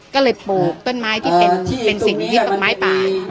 ก็เลยปลูกต้นไม้ที่เป็นสิ่งที่ต้นไม้ป่า